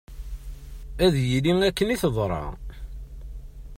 Ad yili akken i teḍra.